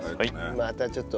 またちょっと。